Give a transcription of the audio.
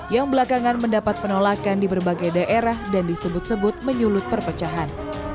yang belakangan mendapat penolakan di berbagai daerah dan disebut sebut menyulut perpecahan